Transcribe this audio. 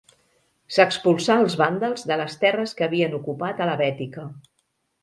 S'expulsà als vàndals de les terres que havien ocupat a la Bètica.